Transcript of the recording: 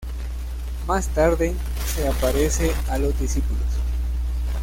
Más tarde, se aparece a los discípulos.